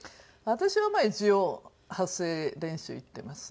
私はまあ一応発声練習行ってます。